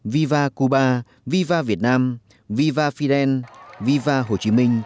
viva cuba viva việt nam viva fidel viva hồ chí minh